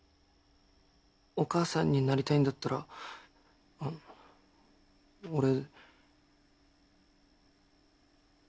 お母さんになりたいんだったらお俺。